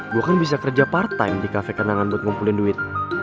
bukan bisa kerja part time di kafe kenangan buat ngumpulin duit